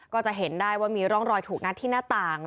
ก็จะเห็นได้ว่ามีร่องรอยถูกงัดที่หน้าต่าง